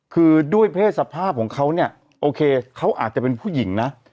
คือด้วยเพศสภาพของเขาเนี่ยโอเคเขาอาจจะเป็นผู้หญิงนะ